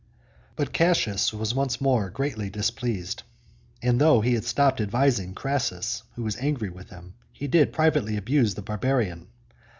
But Cassius was once more greatly displeased, and though he stopped advising Crassus, who was angry with him, he did privately abuse the Barbarian.